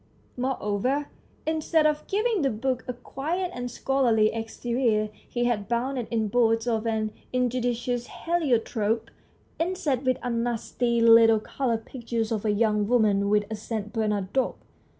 More over, instead of giving the book a quiet and scholarly exterior, he had bound it in boards 134 THE STORY OF A BOOK of an injudicious heliotrope, inset with a nasty little coloured picture of a young woman with a St. Bernard dog.